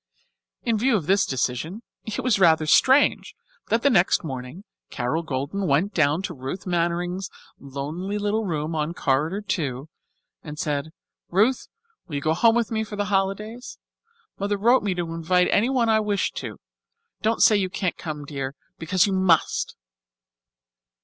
In view of this decision it was rather strange that the next morning, Carol Golden went down to Ruth Mannering's lonely little room on Corridor Two and said, "Ruth, will you go home with me for the holidays? Mother wrote me to invite anyone I wished to. Don't say you can't come, dear, because you must."